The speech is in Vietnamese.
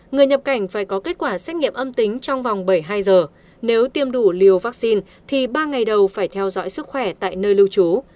người nhập cảnh phải có kết quả xét nghiệm âm tính trong vòng bảy mươi hai giờ nếu tiêm đủ liều vaccine thì ba ngày đầu phải theo dõi sức khỏe tại nơi lưu trú